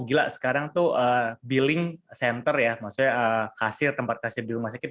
gila sekarang itu billing center maksudnya tempat kasir di rumah sakit